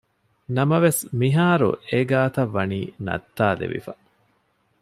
ނަމަވެސް މިހާރު އެގާތައް ވަނީ ނައްތާލެވިފަ